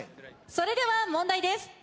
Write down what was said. それでは問題です。